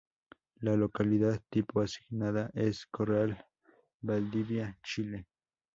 La localidad tipo asignada es: Corral, Valdivia, Chile.